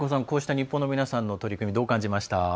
こうした日本の皆さんの取り組みどう感じました？